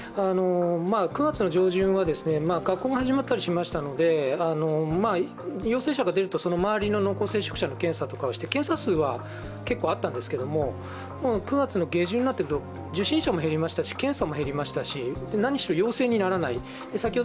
９月上旬は学校が始まったりしましたので陽性者が出るとその周りの濃厚接触者の検査をしたりして検査数は結構あったんですけれども、９月下旬になって受診者も減りましたし検査も減りましたし、なにしろ陽性にならない。